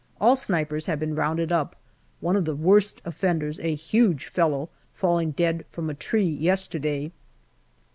All snipers have been rounded up, one of the worst offenders, a huge fellow, falling dead from a tree yesterday.